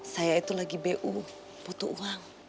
saya itu lagi bu butuh uang